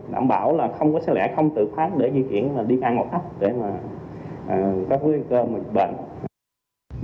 đảm bảo là không có xé lẻ không tự thoát để di chuyển là đi ngang ngột tắc để mà có nguy cơ bệnh